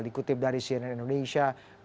dikutip dari cnn indonesia